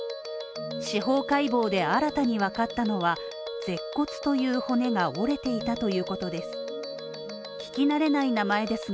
司法解剖で新たにわかったのは、舌骨という骨が折れていたということです